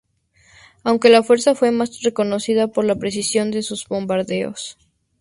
Aunque la fuerza fue más reconocida por la precisión de sus bombardeos.